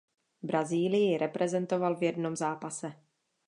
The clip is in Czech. Brazílii reprezentoval v jednom zápase.